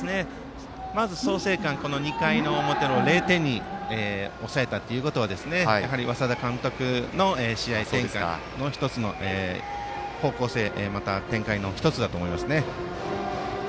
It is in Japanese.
創成館、２回の表０点に抑えたということはやはり稙田監督の試合戦略の方向性また展開の１つだと思いますね。